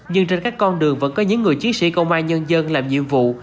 nhưng trên các con đường vẫn có những người chiến sĩ công an nhân dân làm nhiệm vụ